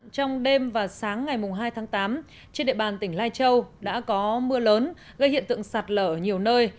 trong đêm và sáng ngày hai tháng tám trên địa bàn tỉnh lai châu đã có mưa lớn gây hiện tượng sạt lở nhiều nơi